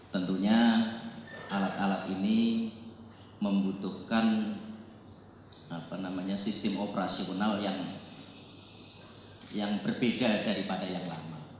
tentunya alat alat ini membutuhkan sistem operasional yang berbeda daripada yang lama